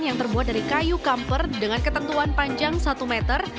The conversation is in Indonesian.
yang terbuat dari kayu kamper dengan ketentuan panjang satu meter